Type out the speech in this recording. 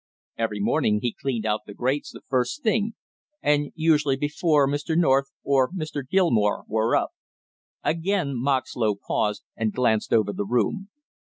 Every morning he cleaned out the grates the first thing, and usually before Mr. North or Mr. Gilmore were up. Again Moxlow paused and glanced over the room.